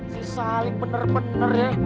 si saling bener bener ya